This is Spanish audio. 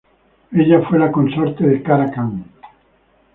Ella fue la consorte de Kara Khan.